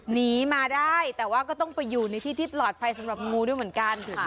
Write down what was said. หนีมาก็อยู่ในที่ที่ปลอดภัยจรัพย์สำหรับงูด้วยเหมือนกัน